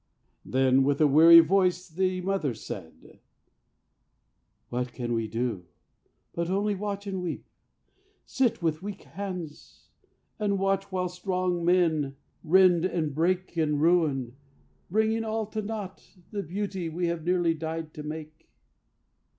Then with a weary voice the mother said: "What can we do but only watch and weep, Sit with weak hands and watch while strong men rend And break and ruin, bringing all to nought The beauty we have nearly died to make?